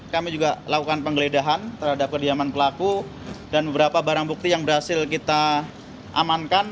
kami juga lakukan penggeledahan terhadap kediaman pelaku dan beberapa barang bukti yang berhasil kita amankan